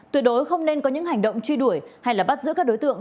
tuyệt đối không nên có những hành động truy đuổi hay bắt giữ các đối tượng